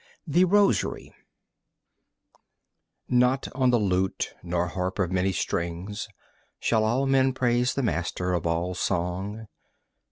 The Rosary Not on the lute, nor harp of many strings Shall all men praise the Master of all song.